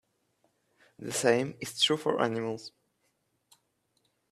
The same is true for animals.